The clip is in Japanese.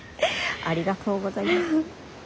ありがとうございます。